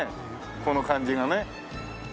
この感じがね。